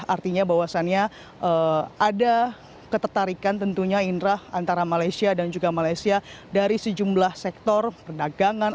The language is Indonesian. artinya bahwasannya ada ketertarikan tentunya indra antara malaysia dan juga malaysia dari sejumlah sektor perdagangan